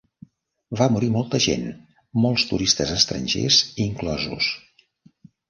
Va morir molta gent, molts turistes estrangers inclosos.